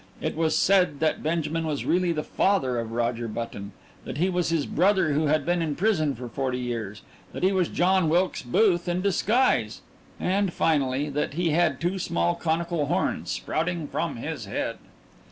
It was said that Benjamin was really the father of Roger Button, that he was his brother who had been in prison for forty years, that he was John Wilkes Booth in disguise and, finally, that he had two small conical horns sprouting from his head.